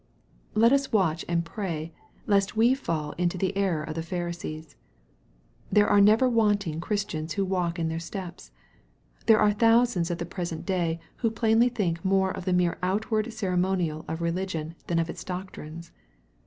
Let us watch and pray, lest we fall into the error of the Pharisees. There are never wanting Christians who walk in their steps. There are thousands at the present day who plainly think more of the mere outward cere monial of religion than of its doctrines.